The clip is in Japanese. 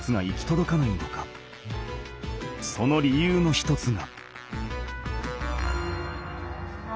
その理由の一つが。